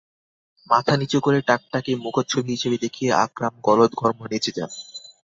মাথা নিচু করে টাকটাকেই মুখচ্ছবি হিসেবে দেখিয়ে আকরাম গলদঘর্ম নেচে যান।